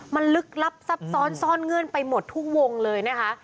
มันลึกลับซับซ้อนซ่อนเงื่อนไปหมดทุกวงเลยนะคะ